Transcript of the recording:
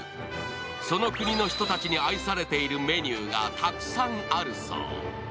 その国の人たちに愛されているメニューがたくさんあるそう。